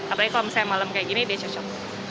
apalagi kalau misalnya malam kayak gini dia cocok